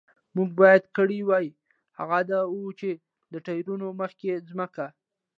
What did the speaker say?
موږ باید کړي وای، هغه دا و، چې د ټایرونو مخکې ځمکه.